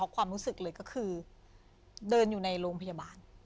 ก็คือเดินอยู่ในโรงพยาบาล